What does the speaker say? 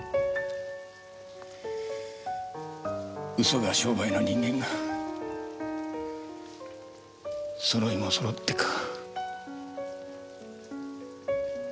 嘘が商売の人間がそろいもそろってか。